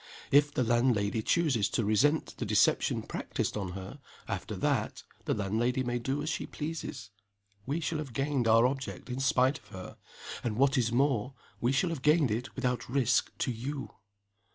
If the landlady chooses to resent the deception practiced on her, after that, the landlady may do as she pleases. We shall have gained our object in spite of her and, what is more, we shall have gained it without risk to _you.